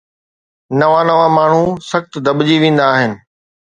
نوان نوان ماڻهو سخت دٻجي ويندا آهن